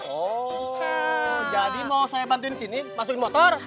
oh jadi mau saya bantuin sini masukin motor